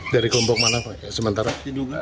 dari kelompok mana pak